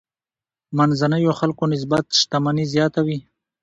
منځنيو خلکو نسبت شتمني زیاته وي.